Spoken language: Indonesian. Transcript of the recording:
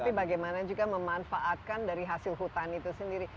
tapi bagaimana juga memanfaatkan dari hasil hutan itu sendiri